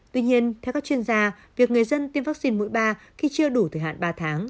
tuy nhiên theo các chuyên gia việc người dân tiêm vaccine mũi ba khi chưa đủ thời hạn ba tháng